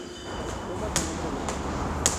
Toma su nombre de mesa.